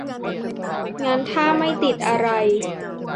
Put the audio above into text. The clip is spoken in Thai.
งั้นถ้าไม่ติดอะไร